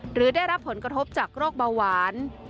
หรือได้รับผลกระทบจากโรคเบาหวาน